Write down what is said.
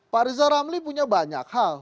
pak riza ramli punya banyak hal